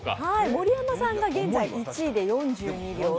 盛山さんが現在１位で４２秒。